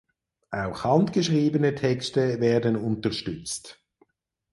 Auch handgeschriebene Texte werden unterstützt.